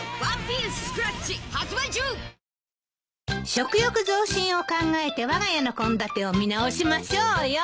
食欲増進を考えてわが家の献立を見直しましょうよ。